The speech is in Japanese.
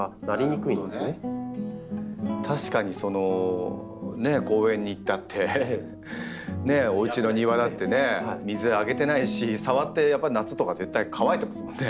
確かに公園に行ったってねおうちの庭だってね水あげてないし触ってやっぱり夏とか絶対乾いてますもんね